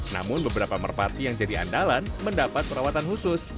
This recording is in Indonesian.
namun beberapa merpati yang jadi andalan mendapat perawatan khusus